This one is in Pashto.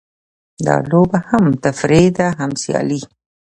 دا لوبه هم تفریح ده؛ هم سیالي.